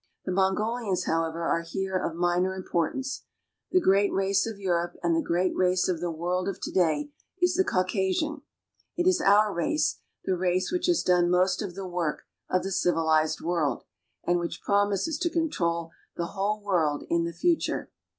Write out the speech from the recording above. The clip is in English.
The Mongolians, however, are here of minor importance. The great race of Europe and the great race of the world of to day is the Caucasian. It is our race, the race which has done most of the work of the civilized world, and which promises to control the whole world in the future.